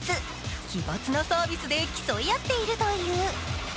奇抜なサービスで競い合っているという。